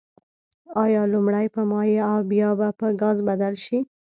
آیا لومړی په مایع او بیا به په ګاز بدل شي؟